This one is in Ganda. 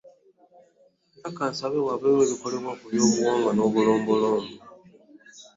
Era kasaba wabeewo ekikolebwa ku byobuwangwa n’obulombolombo.